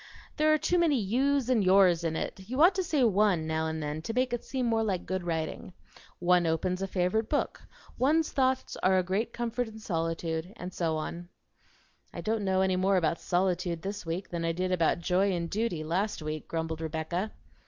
There are too many 'yous' and 'yours' in it; you ought to say 'one' now and then, to make it seem more like good writing. 'One opens a favorite book;' 'One's thoughts are a great comfort in solitude,' and so on." "I don't know any more about solitude this week than I did about joy and duty last week," grumbled Rebecca.